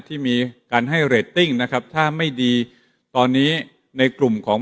ที่มีการให้เรตติ้งนะครับถ้าไม่ดีตอนนี้ในกลุ่มของ